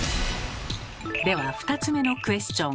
では２つ目のクエスチョン。